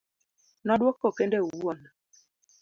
nodwoko kende owuon